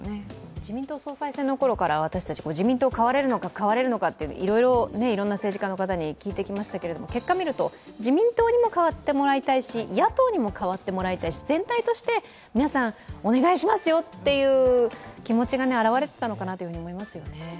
自民党総裁選のころから私たち自民党は変われるのかといろんな政治家に聞いてきましたけれども、結果を見ると自民党にも変わってもらいたいし野党にも変わってもらいたいし全体として皆さん、お願いしますよという気持ちが表れていたのかなと思いますよね。